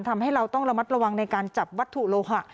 ทำให้เราต้องระมัดระวังในการจับวัตถุโลหะ